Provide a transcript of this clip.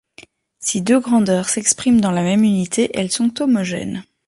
Si deux grandeurs s'expriment dans la même unité, elles sont homogènes.